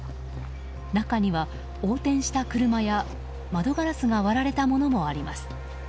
中には、横転した車や窓ガラスが割られたものもあります。